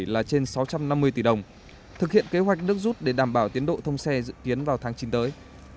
là trên sáu trăm năm mươi tỷ đồng thực hiện kế hoạch nước rút để đảm bảo tiến độ thông xe dự kiến vào tháng chín tới